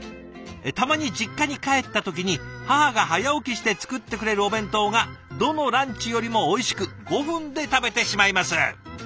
「たまに実家に帰った時に母が早起きして作ってくれるお弁当がどのランチよりもおいしく５分で食べてしまいます」。